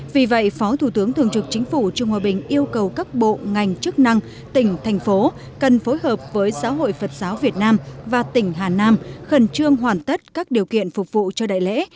vì vậy phó thủ tướng thường trực chính phủ trương hòa bình yêu cầu các bộ ngành chức năng tỉnh thành phố cần phối hợp với giáo hội phật giáo việt nam và tỉnh hà nam khẩn trương hoàn tất các điều kiện phục vụ cho đại lễ